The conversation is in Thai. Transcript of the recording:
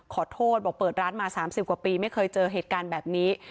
ขอโทษบอกเปิดร้านมา๓๐กว่าปีไม่เคยเจอเหตุการณ์แบบนี้